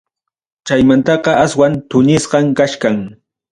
Chaymantaqa aswan tuñisqa kachkan.